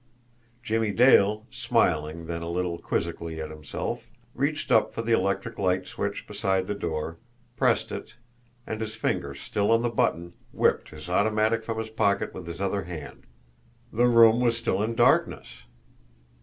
Jimmie Dale, smiling then a little quizzically at himself, reached up for the electric light switch beside the door, pressed it and, his finger still on the button, whipped his automatic from his pocket with his other hand. THE ROOM WAS STILL IN DARKNESS.